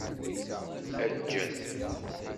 Ajjat!